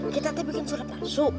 kita teh bikin surat palsu